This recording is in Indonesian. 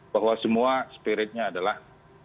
bahwa semua spiritnya adalah